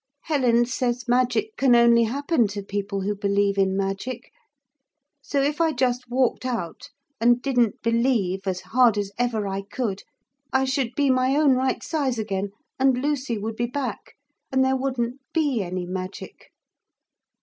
'Helen says magic can only happen to people who believe in magic. So if I just walked out and didn't believe as hard as ever I could, I should be my own right size again, and Lucy would be back, and there wouldn't be any magic.'